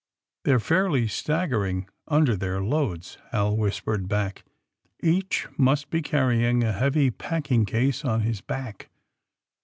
* ^They're fairly staggering under their loads," Hal whisi:)ered back, ^^Each must be carrying a heavy packing case on his back."